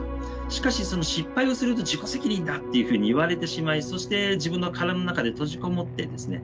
しかしその失敗をすると自己責任だというふうに言われてしまいそして自分の殻の中で閉じこもってですね